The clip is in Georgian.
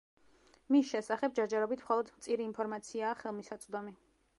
მის შესახებ ჯერჯერობით მხოლოდ მწირი ინფორმაციაა ხელმისაწვდომი.